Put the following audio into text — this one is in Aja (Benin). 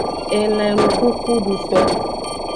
Elan enukukuduto.